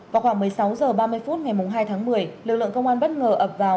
vào khoảng một mươi sáu h ba mươi phút ngày hai tháng một mươi lực lượng công an bất ngờ ập vào